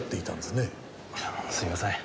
すみません。